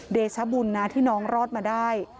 เดชบุญนะที่น้องรอดมาได้